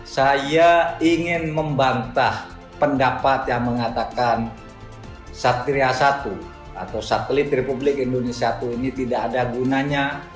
saya ingin membantah pendapat yang mengatakan satria satu atau satelit republik indonesia ini tidak ada gunanya